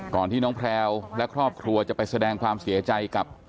ที่น้องแพลวและครอบครัวจะไปแสดงความเสียใจกับ